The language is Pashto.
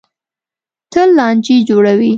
تل لانجې جوړوي.